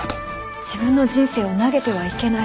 自分の人生を投げてはいけない。